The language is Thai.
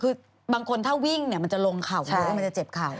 คือบางคนถ้าวิ่งมันจะลงเข่ามันจะเจ็บเข่า